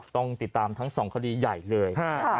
ต้องติดตามทั้งสองคดีใหญ่เลย